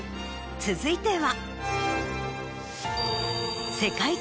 続いては。